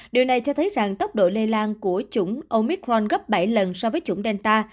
điều này cho thấy rằng tốc độ lây lan của chủng omicron gấp bảy lần so với chủng delta